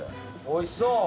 おいしそう。